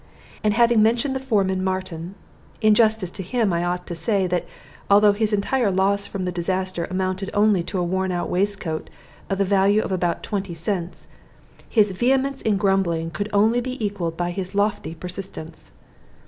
And having mentioned the foreman Martin, in justice to him I ought to say that although his entire loss from the disaster amounted only to a worn out waistcoat of the value of about twenty cents, his vehemence in grumbling could only be equaled by his lofty persistence.